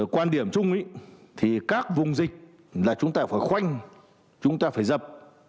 quan điểm chung thì các vùng dịch là chúng ta phải khoanh chúng ta phải dập